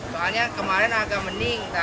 soalnya kemarin agak mening